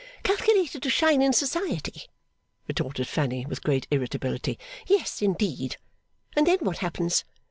'Calculated to shine in society,' retorted Fanny with great irritability; 'yes, indeed! And then what happens?